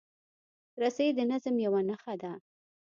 رسۍ د نظم یوه نښه ده.